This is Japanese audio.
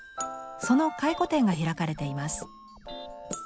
その回顧展が開かれています。